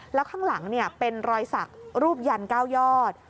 แล้วข้างหลังเป็นรอยสักรูปยัน๙ยอด